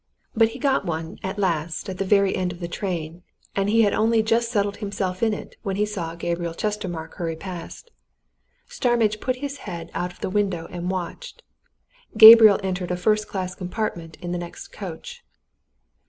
But he got one, at last, at the very end of the train, and he had only just settled himself in it when he saw Gabriel Chestermarke hurry past. Starmidge put his head out of the window and watched Gabriel entered a first class compartment in the next coach.